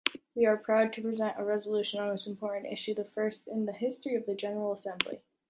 We are proud to present a resolution on this important issue, the first in the history of the General Assembly.